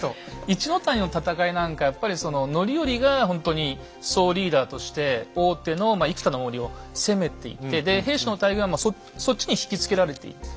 一の谷の戦いなんかやっぱりその範頼がほんとに総リーダーとして大手の生田の森を攻めていってで平氏の大軍はそっちに引きつけられている。